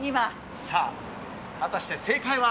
さあ、果たして正解は。